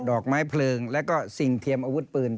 อกไม้เพลิงแล้วก็สิ่งเทียมอาวุธปืน